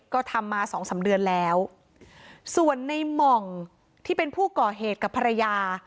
ก็ทำมาสองสามเดือนแล้วส่วนในหม่องที่เป็นผู้ก่อเหตุกับภรรยา